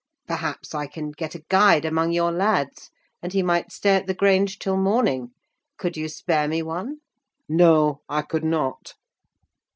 "Perhaps I can get a guide among your lads, and he might stay at the Grange till morning—could you spare me one?" "No, I could not."